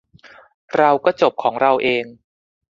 เราก็จบของเราเอง